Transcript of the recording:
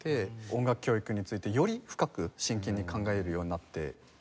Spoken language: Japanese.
音楽教育についてより深く真剣に考えるようになって。